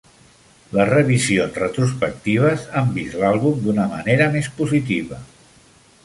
Les revisions retrospectives han vist l'àlbum d'una manera més positiva.